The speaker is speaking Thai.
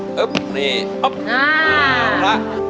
แคบนาน